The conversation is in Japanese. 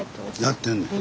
やってんねん。